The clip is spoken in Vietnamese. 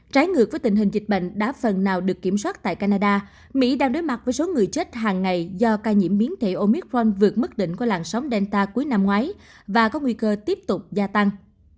trái ngược với tình hình dịch bệnh đã phần nào được kiểm soát tại canada mỹ đang đối mặt với số người chết hàng ngày do ca nhiễm biến thể omitron vượt mức đỉnh qua làn sóng delta cuối năm ngoái và có nguy cơ tiếp tục gia tăng